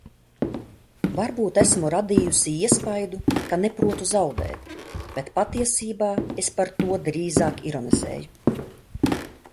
Varbūt esmu radījusi iespaidu, ka neprotu zaudēt, bet patiesībā es par to drīzāk ironizēju.